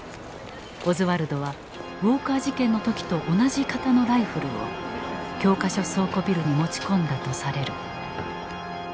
オズワルドはウォーカー事件の時と同じ型のライフルを教科書倉庫ビルに持ち込んだとされる。